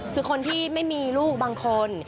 คือคนที่ไม่มีลูกบางคน